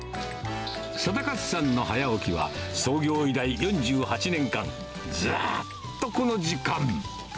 定勝さんの早起きは、創業以来４８年間、ずっとこの時間。